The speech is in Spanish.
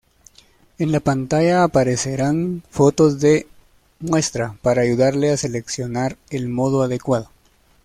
En la pantalla aparecerán fotos de muestra para ayudarle a seleccionar el modo adecuado.